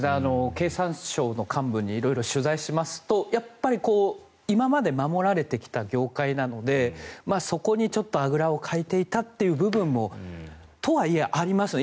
経産省の幹部に色々取材しますと今まで守られてきた業界なので、そこにちょっとあぐらをかいていたという部分もとはいえ、ありますよね。